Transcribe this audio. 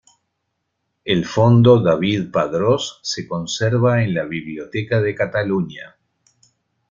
El fondo David Padrós se conserva en la Biblioteca de Cataluña.